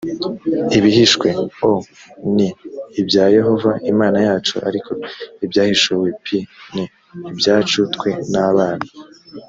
ibihishwe o ni ibya yehova imana yacu ariko ibyahishuwe p ni ibyacu twe n abana